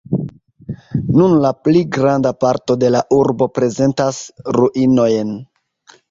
Nun la pli granda parto de la urbo prezentas ruinojn.